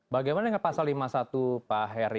bagaimana dengan pasal lima puluh satu pak heri